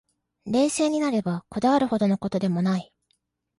冷静になれば、こだわるほどの事でもない